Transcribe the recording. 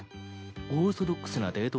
オーソドックスなデートコース